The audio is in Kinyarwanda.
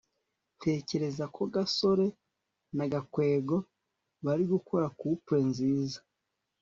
ntekereza ko gasore na gakwego bari gukora couple nziza